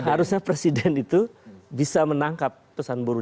harusnya presiden itu bisa menangkap pesan buruh